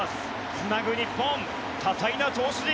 つなぐ日本、多彩な投手陣。